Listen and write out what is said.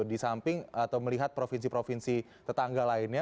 di samping atau melihat provinsi provinsi tetangga lainnya